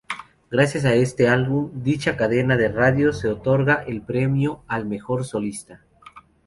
Gracias a este álbum, dicha cadena de radio le otorga el Premio al Mejor Solista.